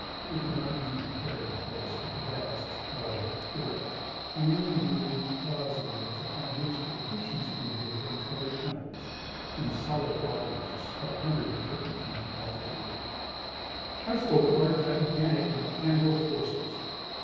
They could not be compared, of course, with the vast, level, direct, iron grooved causeways upon which the Egyptians conveyed entire temples and solid obelisks of a hundred and fifty feet in altitude. I spoke of our gigantic mechanical forces.